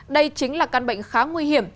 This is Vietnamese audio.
đây chính là căn bệnh khá nguy hiểm